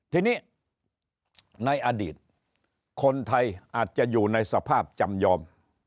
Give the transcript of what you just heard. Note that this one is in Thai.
ทีนี้ในอดีตคนไทยอาจจะอยู่ในสภาพจำยอม